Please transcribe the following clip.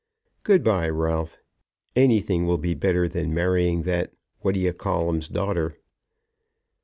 Goodbye, Ralph. Anything will be better than marrying that what d'ye callem's daughter."